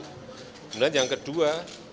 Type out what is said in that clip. kemudian yang kedua